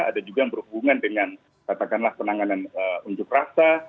ada juga yang berhubungan dengan katakanlah penanganan unjuk rasa